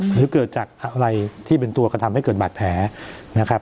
หรือเกิดจากอะไรที่เป็นตัวกระทำให้เกิดบาดแผลนะครับ